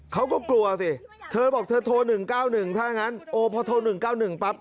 เขาก็กลัวสิเธอบอกเธอโทร๑๙๑ถ้างั้นโอ้พอโทร๑๙๑ปั๊บ